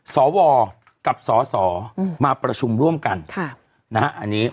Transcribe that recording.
ศวกับศมาประชุมร่วมกัน